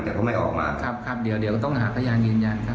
แต่ก็ไม่ออกมาครับครับเดี๋ยวเดี๋ยวต้องหาพยานยืนยันครับ